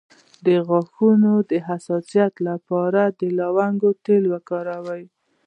د غاښونو د حساسیت لپاره د لونګ تېل وکاروئ